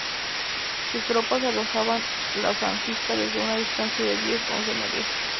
Sus tropas arrojaban la francisca desde una distancia de diez a once metros.